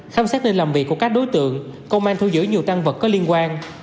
khám xét nơi làm việc của các đối tượng công an thu giữ nhiều tăng vật có liên quan